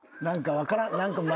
何か分からん。